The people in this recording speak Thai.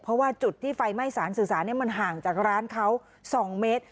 เพราะว่าจุดที่ไฟไหม้สารสื่อสารมันห่างจากร้านเขา๒เมตร